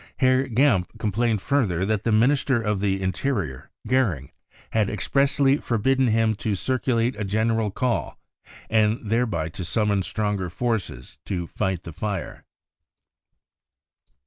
u Herr Gempp complained further that the Minister of the Interior, Goering, had expressly forbidden him to circulate a general call and thereby to summon stronger forces to fight the fire.